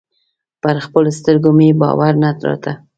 پر خپلو سترګو مې باور نه راته.